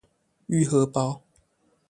玉荷包